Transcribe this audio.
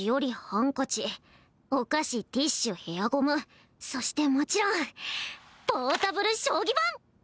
ハンカチお菓子ティッシュヘアゴムそしてもちろんポータブル将棋盤！